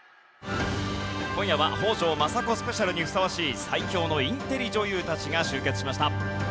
今夜は北条政子スペシャルにふさわしい最強のインテリ女優たちが集結しました。